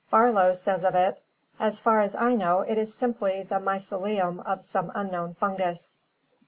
Farlow says of it: "As far as I know it is simply the mycelium of some un known fungus."